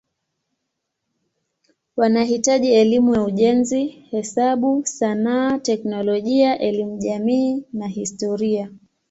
Wanahitaji elimu ya ujenzi, hesabu, sanaa, teknolojia, elimu jamii na historia.